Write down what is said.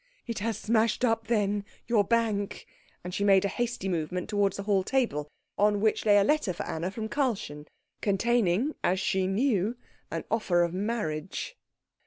"It has smashed up, then, your bank?" And she made a hasty movement towards the hall table, on which lay a letter for Anna from Karlchen, containing, as she knew, an offer of marriage.